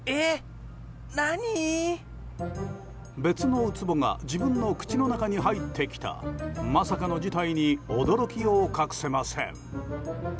別のウツボが自分の口の中に入ってきたまさかの事態に驚きを隠せません。